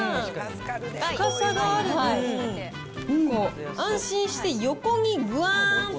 深さがある分、安心して横にぐわーんと